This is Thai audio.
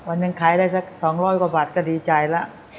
วันหนึ่งขายได้สัก๒๐๐กว่าบาทก็ดีใจแล้ว